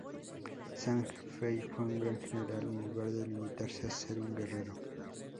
Zhang Fei fue un gran general en lugar de limitarse a ser un guerrero.